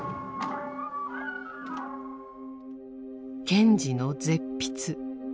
賢治の絶筆。